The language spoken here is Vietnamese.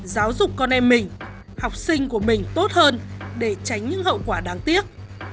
giáo dục con em mình học sinh của mình tốt hơn để tránh những hậu quả đáng tiếc